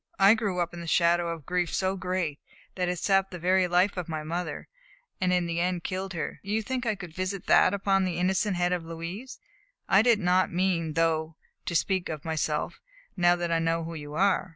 I grew up in the shadow of a grief so great that it sapped the very life of my mother, and in the end killed her. Do you think I could visit that upon the innocent head of Louise? I did not mean, though, to speak of myself, now that I know who you are.